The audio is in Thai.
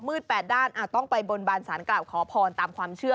๘ด้านต้องไปบนบานสารกล่าวขอพรตามความเชื่อ